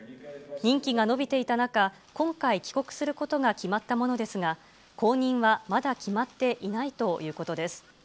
任期が延びていた中、今回、帰国することが決まったものですが、後任はまだ決まっていないということです。